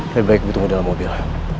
lebih baik ibu tunggu dalam mobil